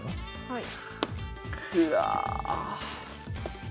はい。